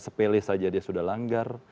sepele saja dia sudah langgar